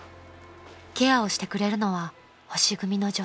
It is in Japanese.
［ケアをしてくれるのは星組の女性］